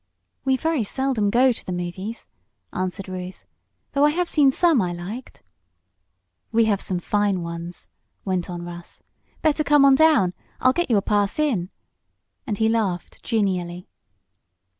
"We very seldom go to the 'movies,'" answered Ruth. "Though I have seen some I liked." "We have some fine ones," went on Russ. "Better come on down. I'll get you a pass in!" and he laughed genially.